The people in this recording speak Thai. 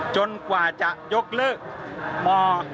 กว่าจะยกเลิกม